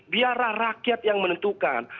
biarlah rakyat yang menentukan